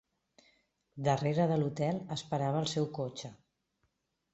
Darrere de l'hotel esperava el seu cotxe.